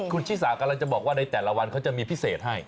คุณชิสากำลังจะบอกว่าในแต่ละวันเขาจะมีพิเศษให้